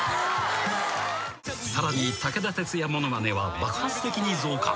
［さらに武田鉄矢ものまねは爆発的に増加］